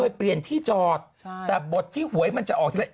เปลี่ยนที่จอดใช่แต่บทที่หวยมันจะออกทีไร